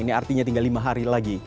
ini artinya tinggal lima hari lagi